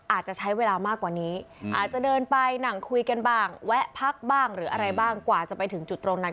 อาจจะใช้เวลามากกว่านี้อาจจะเดินไปนั่งคุยกันบ้างแวะพักบ้างหรืออะไรบ้างกว่าจะไปถึงจุดตรงนั้น